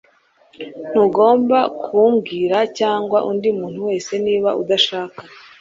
Ntugomba kumbwira cyangwa undi muntu wese niba udashaka.